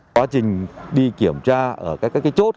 quá trình đi kiểm tra ở các cái chốt